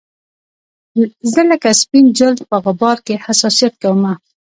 زه لکه سپین جلد په غبار کې حساسیت کومه